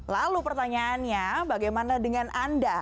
lalu pertanyaannya bagaimana dengan anda